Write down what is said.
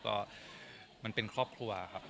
ก็มันเป็นครอบครัวครับ